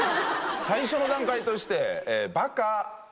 最初の段階として。